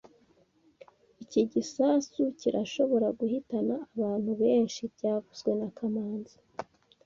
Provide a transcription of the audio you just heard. Iki gisasu kirashobora guhitana abantu benshi byavuzwe na kamanzi